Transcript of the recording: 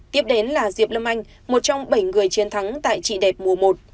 tiếp đến là diệp lâm anh một trong bảy người chiến thắng tại trị đẹp mùa một